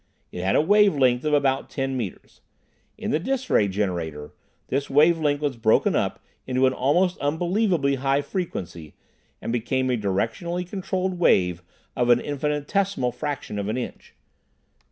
It had a wave length of about ten meters. In the dis ray generator, this wave length was broken up into an almost unbelievably high frequency, and became a directionally controlled wave of an infinitesimal fraction of an inch.